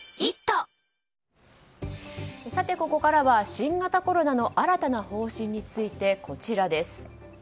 ここからは新型コロナの新たな方針についてです。